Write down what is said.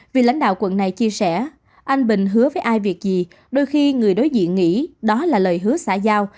vì lãnh đạo quận này chia sẻ anh bình hứa với ai việc gì đôi khi người đối diện nghĩ đó là lời hứa xã giao